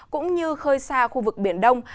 cũng như khơi xa khu vực biển đông